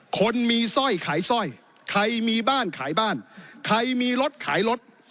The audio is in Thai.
คนมีสร้อยขายสร้อยใครมีบ้านขายบ้านใครมีรถขายรถ